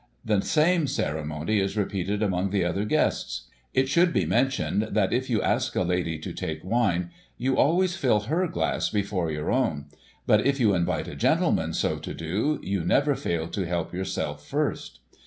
The same ceremony is repeated among the other guests. It should be mentioned that, if you ask a lady to take wine, you always fill her glass before your own ; but, if you invite a gentleman so to do, you never fail to help yourself first.